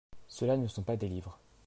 Ceux-là ne sont pas des livres.